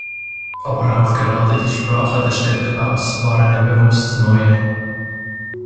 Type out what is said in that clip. Aber auch gerade die Sprache des Städtebaus war eine bewusst neue.